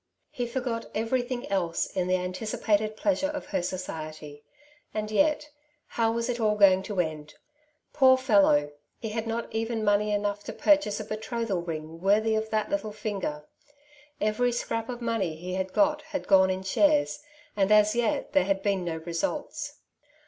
He forgot everything else in the anticipated pleasure of her society; and yet, how was it all going to end ? Poor fellow ! he had not even money enough to purchase a betrothal ring worthy of that little finger ! Every scrap of money he had got had gone in shares, and as yet there had been no results.